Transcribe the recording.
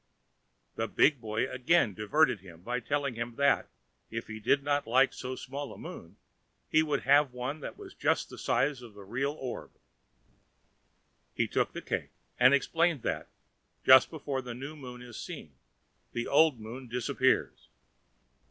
The big boy again diverted him by telling him that, if he did not like so small a moon, he should have one that was just the size of the real orb. He then took the cake, and explained that, just before the new moon is seen, the old moon disappears.